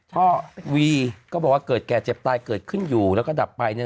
ก็วีก็บอกว่าเกิดแก่เจ็บตายเกิดขึ้นอยู่แล้วก็ดับไป